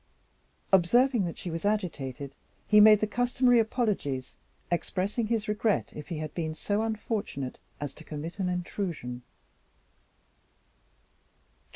Observing that she was agitated, he made the customary apologies, expressing his regret if he had been so unfortunate as to commit an intrusion.